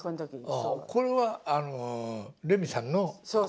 これはレミさんのお顔？